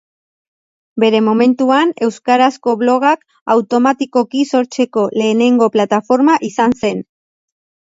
Bere momentuan euskarazko blogak automatikoki sortzeko lehenengo plataforma izan zen.